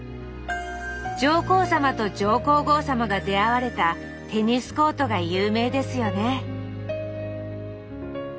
上皇さまと上皇后さまが出会われたテニスコートが有名ですよね